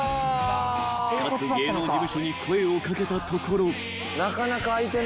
［各芸能事務所に声を掛けたところ］